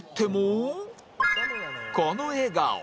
この笑顔